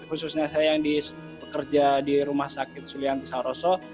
khususnya saya yang bekerja di rumah sakit sulianti saroso